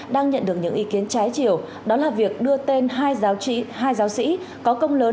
đang nhận được những ý kiến trái chiều đó là việc đưa tên hai giáo sĩ có công lớn